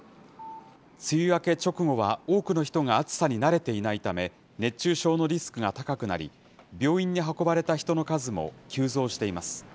梅雨明け直後は多くの人が暑さに慣れていないため、熱中症のリスクが高くなり、病院に運ばれた人の数も急増しています。